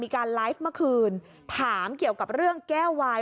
มีการไลฟ์เมื่อคืนถามเกี่ยวกับเรื่องแก้ววาย